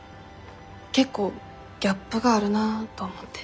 結構ギャップがあるなと思って。